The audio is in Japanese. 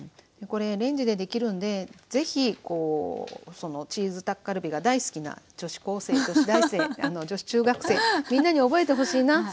これレンジでできるのでぜひチーズタッカルビが大好きな女子高生女子大生女子中学生みんなに覚えてほしいな。